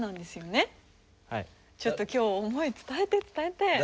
ちょっと今日思い伝えて伝えて！